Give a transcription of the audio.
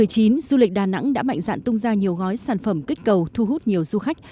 hậu covid một mươi chín du lịch đà nẵng đã mạnh dạn tung ra nhiều gói sản phẩm kích cầu thu hút nhiều du khách